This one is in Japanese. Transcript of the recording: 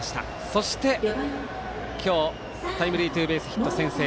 そして、今日タイムリーツーベースヒット先制。